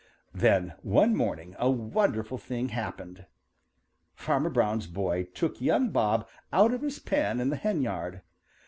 Then one morning a wonderful thing happened. Farmer Brown's boy took young Bob out of his pen in the hen yard.